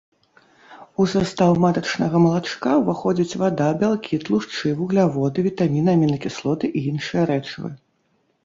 У састаў матачнага малачка ўваходзяць вада, бялкі, тлушчы, вугляводы, вітаміны, амінакіслоты і іншыя рэчывы.